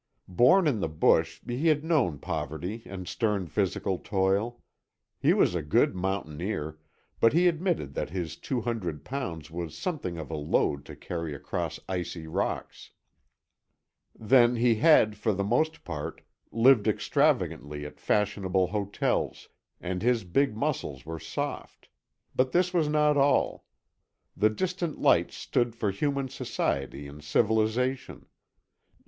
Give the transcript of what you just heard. Born in the bush, he had known poverty and stern physical toil. He was a good mountaineer, but he admitted that his two hundred pounds was something of a load to carry across icy rocks. Then he had, for the most part, lived extravagantly at fashionable hotels, and his big muscles were soft; but this was not all. The distant lights stood for human society and civilization.